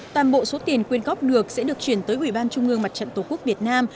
toàn bộ số tiền quyên góp được sẽ được chuyển tới ủy ban trung ương mặt trận tổ quốc việt nam